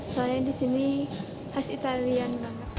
soalnya disini khas italian